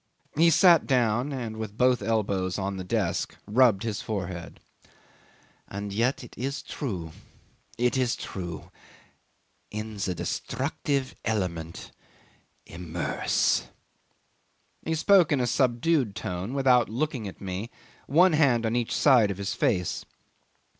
He sat down and, with both elbows on the desk, rubbed his forehead. "And yet it is true it is true. In the destructive element immerse." ... He spoke in a subdued tone, without looking at me, one hand on each side of his face.